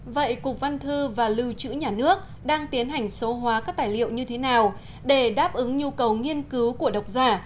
vậy cục văn thư và lưu trữ nhà nước đang tiến hành số hóa các tài liệu như thế nào để đáp ứng nhu cầu nghiên cứu của độc giả